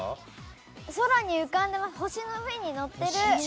空に浮かんで星の上に乗ってる！